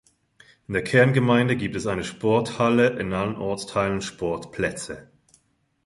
In der Kerngemeinde gibt es eine Sporthalle, in allen Ortsteilen Sportplätze.